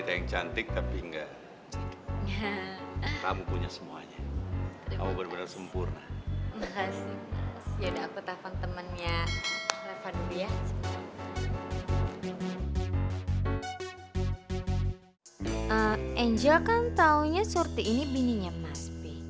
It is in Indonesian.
angel kan taunya surti ini bininya mas b